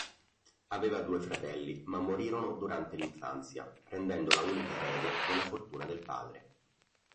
Aveva due fratelli ma morirono durante l'infanzia rendendola unica erede della fortuna del padre.